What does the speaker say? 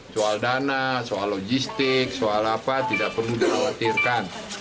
soal dana soal logistik soal apa tidak perlu dikhawatirkan